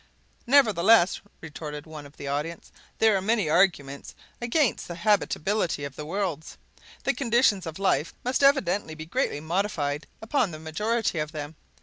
"Nevertheless," retorted one of the audience, "there are many arguments against the habitability of the worlds. The conditions of life must evidently be greatly modified upon the majority of them.